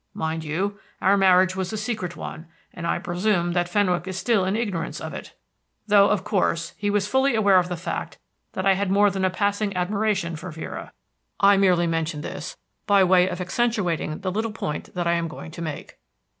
Mind you, our marriage was a secret one, and I presume that Fenwick is still in ignorance of it, though, of course, he was fully aware of the fact that I had more than a passing admiration for Vera. I merely mention this by way of accentuating the little point that I am going to make.